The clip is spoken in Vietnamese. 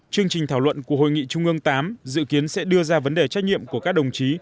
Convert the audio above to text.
chương trình thảo luận của hội nghị trung ương viii dự kiến sẽ đưa ra vấn đề trách nhiệm của các đồng chí